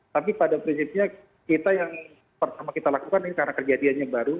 tapi pada prinsipnya kita yang pertama kita lakukan ini karena kejadian yang baru